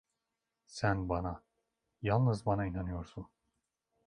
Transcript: Sen bana, yalnız bana inanıyorsun!